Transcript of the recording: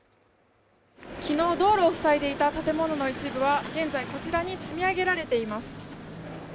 昨日道路をふさいでいた建物の一部は現在こちらに積み上げられています。